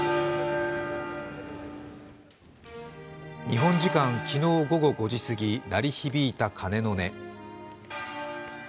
日本時間昨日午後５時すぎ、鳴り響いた鐘の音。